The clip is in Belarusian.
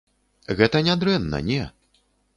Гэта не дрэнна, не.